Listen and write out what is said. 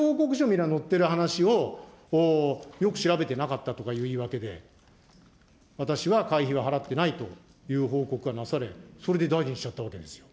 見りゃ載ってる話を、よく調べてなかったとかいう言い訳で、私は会費は払ってないという報告がなされ、それで大臣にしちゃったわけですよ。